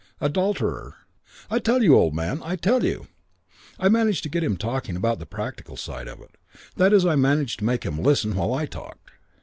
Adulterer!' "I tell you, old man ... I tell you.... "I managed to get him talking about the practical side of it. That is I managed to make him listen while I talked.